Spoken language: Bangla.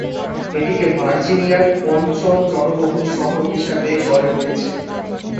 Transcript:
এটিকে ভার্জিনিয়ার পঞ্চম-জনবহুল শহর হিসাবে গড়ে উঠেছে।